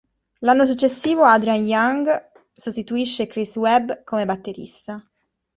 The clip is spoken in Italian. L'anno successivo Adrian Young sostituisce Chris Webb come batterista.